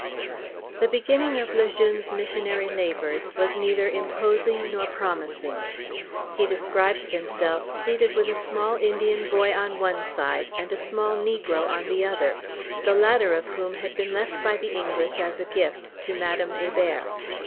The beginning of Le Jeune's missionary labors was neither imposing nor promising. He describes himself seated with a small Indian boy on one side and a small negro on the other, the latter of whom had been left by the English as a gift to Madame Hébert.